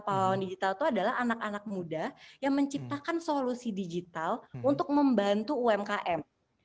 pahlawan digital itu adalah anak anak muda yang menciptakan solusi digital untuk membantu umkm